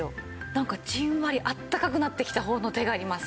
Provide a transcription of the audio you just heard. なんかじんわりあったかくなってきた方の手があります。